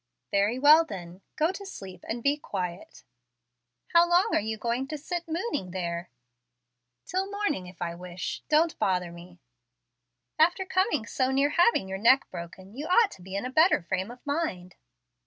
"Very well then, go to sleep and be quiet." "How long are you going to sit 'mooning' there?" "Till morning, if I wish. Don't bother me." "After coming so near having your neck broken, you ought to be in a better frame of mind."